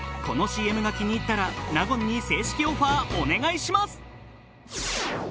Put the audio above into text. このＣＭが気に入ったら納言に正式オファーお願いします！